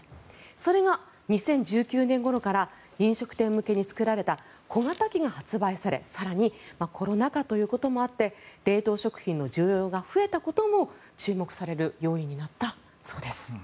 それが２０１９年ごろから飲食店向けに作られた小型機が発売され更にコロナ禍ということもあって冷凍食品の需要が増えたことも注目される要因になったそうです。